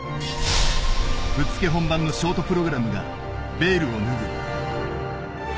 ぶっつけ本番のショートプログラムがベールを脱ぐ。